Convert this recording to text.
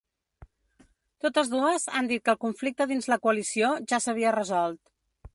Totes dues han dit que el conflicte dins la coalició ja s’havia resolt.